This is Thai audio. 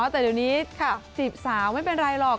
แต่ตอนนี้การสีบสาวไม่เป็นไรหรอก